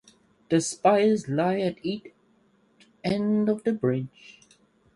The spires lie at each end of the bridge.